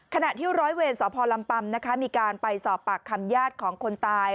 ขณะที่ร้อยเวรสพลำปัมนะคะมีการไปสอบปากคำญาติของคนตาย